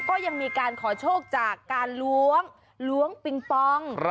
ก็ยังมีการขอโชคจากการล้วงล้วงปิงปอง